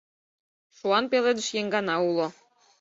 Шуан пеледыш еҥгана уло.